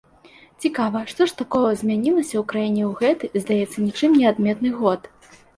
Цікава, што ж такога змянілася ў краіне ў гэты, здаецца, нічым не адметны год?